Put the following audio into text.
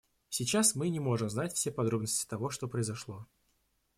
Сейчас мы не можем знать все подробности того, что произошло.